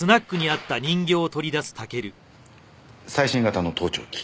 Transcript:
最新型の盗聴器。